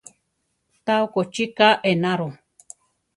Tá okochi ká enaro.